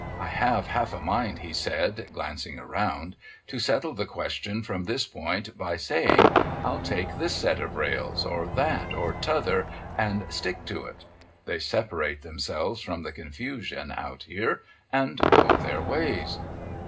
' I have half a mind,' he said, glancing around, ' to settle the question from this point, by saying, " I'll take this set of rails, or that, or t'other, and stick to it." They separate themselves from the confusion, out here, and go their ways.'